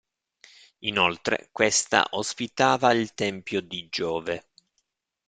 Inoltre questa ospitava il tempio di Giove.